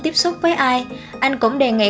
tiếp xúc với ai anh cũng đề nghị